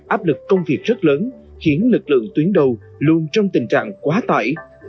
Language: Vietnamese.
áp lực công việc rất lớn khiến lực lượng tuyến đầu luôn trong tình trạng quá tải